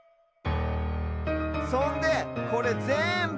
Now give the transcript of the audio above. そんでこれぜんぶ